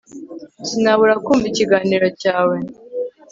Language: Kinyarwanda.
Sinabura kumva ikiganiro cyawe